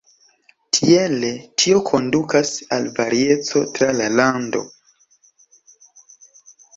Tiele, tio kondukas al varieco tra la lando.